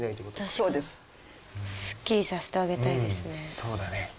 そうだね。